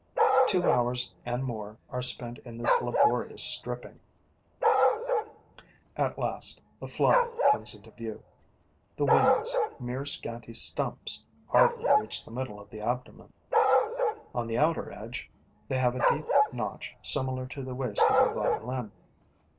Two hours and more are spent in this laborious stripping. At last, the fly comes into view. The wings, mere scanty stumps, hardly reach the middle of the abdomen. On the outer edge, they have a deep notch similar to the waist of a violin.